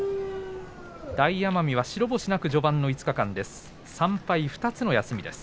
大奄美は、白星なく序盤の５日間です。